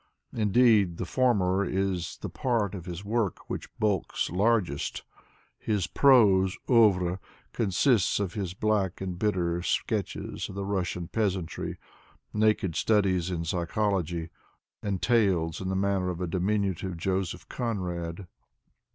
Indeed the former is the part of his work which bulks largest His prose cnivre consists of his black and bitter sketches of the Russian peasantry, naked studies in psychology, and tales in the manner of a diminutive Joseph Conrad.